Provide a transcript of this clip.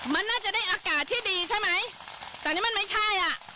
มันน่าจะได้อากาศที่ดีใช่ไหมแต่นี่มันไม่ใช่อ่ะ